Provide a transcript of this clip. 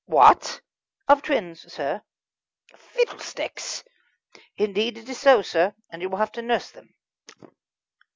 "What?" "Of twins, sir." "Fiddlesticks!" "Indeed, it is so, sir, and you will have to nurse them."